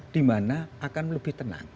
dimana akan lebih tenang